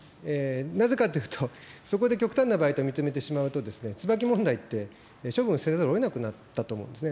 なぜかっていうと、そこで極端な場合と認めてしまうと、椿問題って処分せざるをえなくなったと思うんですね。